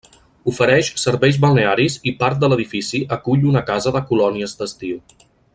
Ofereix serveis balnearis i part de l'edifici acull una casa de colònies d'estiu.